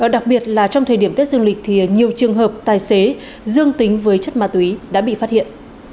đặc biệt là trong thời điểm tết dương lịch thì nhiều trường hợp tài xế dương tính với chất ma túy đã bị phát hiện